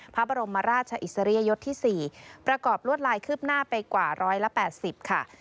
พระบรมราชอิสริยยศที่๔ประกอบลวดลายคืบหน้าไปกว่า๑๘๐ค่ะ